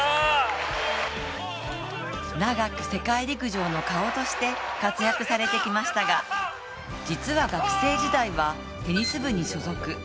長く世界陸上の顔として活躍されてきましたが、実は学生時代は、テニス部に所属。